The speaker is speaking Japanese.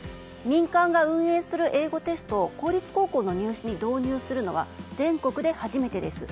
民間が運営する英語テストを公立高校の入試に導入するのは全国で初めてです。